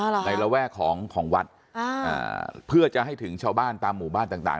ในระแวกของของวัดอ่าอ่าเพื่อจะให้ถึงชาวบ้านตามหมู่บ้านต่างต่าง